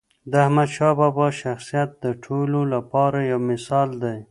د احمدشاه بابا شخصیت د ټولو لپاره یو مثال دی.